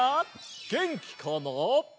げんきかな？